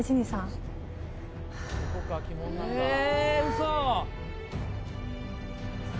嘘！